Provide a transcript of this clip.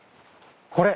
これ。